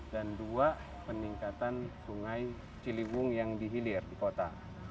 dan dua peningkatan sungai ciliwung yang dihilir di kota